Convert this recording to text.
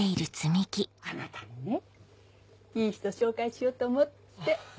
あなたにねいい人紹介しようと思って。